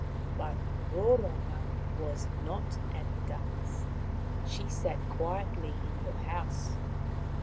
But Roronga was not at the dance. She sat quietly in her house.